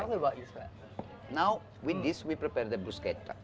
sekarang kita akan menyiapkan bruschetta